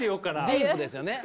ディープですよね。